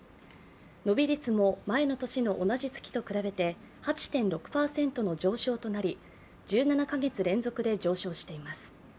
伸び率も前の年の同じ月と比べて８．６％の上昇となり、１７カ月連続で上昇しています。